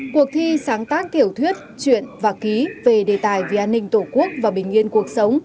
cuộc thi sáng tác tiểu thuyết chuyện và ký về đề tài vì an ninh tổ quốc và bình yên cuộc sống